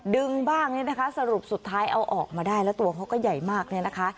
ดึงบ้างเนี่ยนะคะสรุปสุดท้ายเอาออกมาได้แล้วตัวเขาก็ใหญ่มากเนี่ยนะคะ